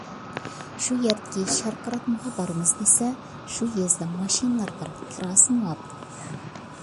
شۇ يەردىكى شارقىراتمىغا بارىمىز دېسە، شۇ يېزىدا ماشىنىلار بار، كىراسى مۇۋاپىق.